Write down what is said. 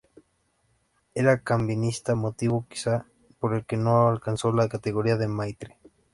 Era calvinista, motivo quizá por el que no alcanzó la categoría de "maître".